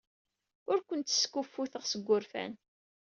Ur kent-skuffuteɣ seg wurfan.